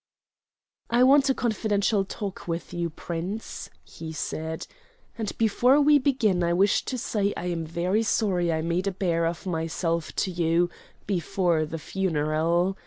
"I want a confidential talk with you, Prince," he said; "and before we begin I wish to say I am very sorry I made a bear of myself to you before the funeral.